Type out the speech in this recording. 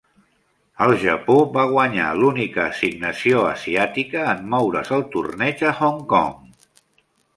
El Japó va guanyar l'única assignació asiàtica en moure's el torneig a Hong Kong.